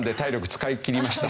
使い切りました。